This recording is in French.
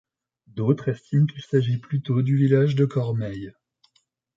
D'autres estiment qu'il s'agit plutôt du village de Cormeilles.